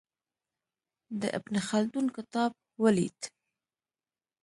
د ابن خلدون کتاب ولید.